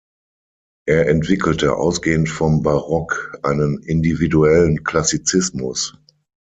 Er entwickelte ausgehend vom Barock einen individuellen Klassizismus.